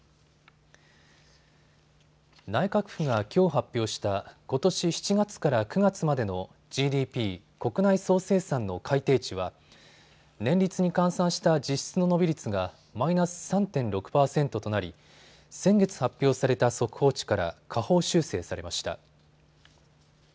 内閣府がきょう発表したことし７月から９月までのＧＤＰ・国内総生産の改定値は年率に換算した実質の伸び率がマイナス３．６％となり、先月発表された速報値から下方修正されました。